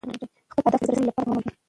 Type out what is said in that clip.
خپل هدف ته د رسېدو لپاره پلان ولرئ.